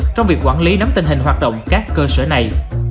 trong việc quản lý nắm tình hình hoạt động các cơ sở này